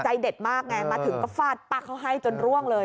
ใจเด็ดมากไงมาถึงก็ฟาดป้าเขาให้จนร่วงเลย